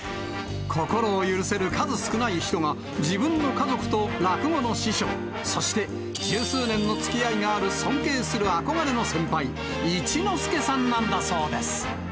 心を許せる数少ない人が、自分の家族と落語の師匠、そして、十数年のつきあいがある尊敬する憧れの先輩、一之輔さんなんだそうです。